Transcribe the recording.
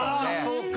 そうか。